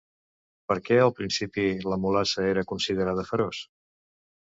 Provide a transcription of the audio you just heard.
Per què al principi la Mulassa era considerada feroç?